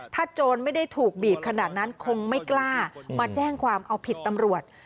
โจรไม่ได้ถูกบีบขนาดนั้นคงไม่กล้ามาแจ้งความเอาผิดตำรวจ